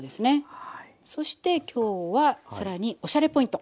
そして今日は更におしゃれポイント。